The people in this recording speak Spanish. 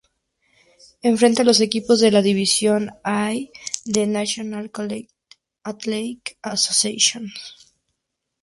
Enfrenta a los equipos de la División I de la National Collegiate Athletic Association.